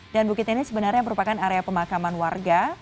dan bukit ini sebenarnya merupakan area pemakaman warga